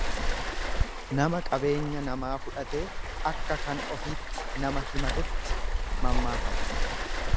Nama qabeenyaa namaa fudhatee, akka kan ofiitti nama himatutti mammaakama.